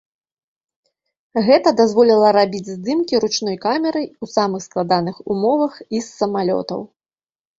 Гэта дазволіла рабіць здымкі ручной камерай у самых складаных умовах і з самалётаў.